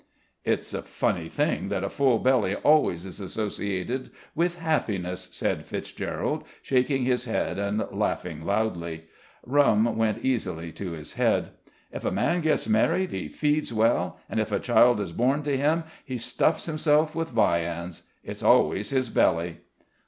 "It's a funny thing that a full belly always is associated with happiness," said Fitzgerald, shaking his head and laughing loudly. Rum went easily to his head. "If a man gets married, he feeds well, and if a child is born to him, he stuffs himself with viands. It's always his belly."